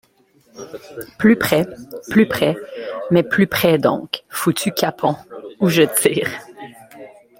Plus près, plus près, mais plus près donc, foutu capon, ou je tire!